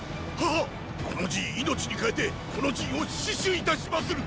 このじィ命にかえてこの陣を死守いたしまする！